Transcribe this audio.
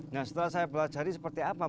nah setelah saya belajar ini seperti apa